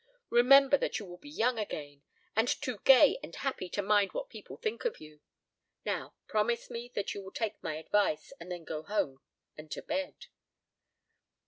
Remember that you will be young again, and too gay and happy to mind what people think of you. Now, promise me that you will take my advice, and then go home and to bed."